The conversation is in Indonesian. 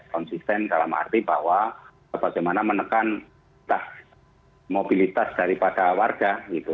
konsisten dalam arti bahwa bagaimana menekan mobilitas daripada warga gitu